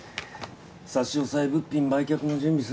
差し押さえ物品売却の準備するか。